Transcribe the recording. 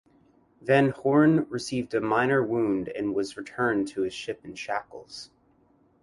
Van Hoorn received a minor wound and was returned to his ship in shackles.